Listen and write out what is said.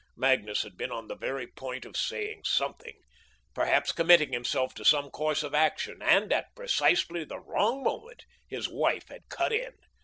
Magnus had been on the very point of saying something, perhaps committing himself to some course of action, and, at precisely the wrong moment, his wife had cut in.